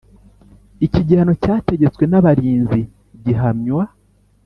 Iki gihano cyategetswe n abarinzi gihamywa